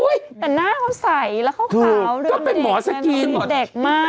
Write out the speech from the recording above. แต่หน้าเขาใสแล้วเขาขาวเริ่มเด็กดรินเด็กมาก